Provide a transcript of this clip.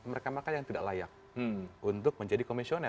oke baik baik mbak malini